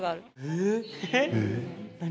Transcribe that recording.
えっ！？何？